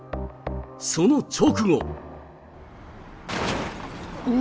その直後。